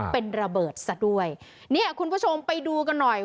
เป็นระเบิดซะด้วยเนี่ยคุณผู้ชมไปดูกันหน่อย